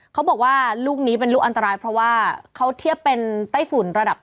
เขาบอกว่าลูกนี้เป็นลูกอันตรายเพราะว่าเขาเทียบเป็นไต้ฝุ่นระดับ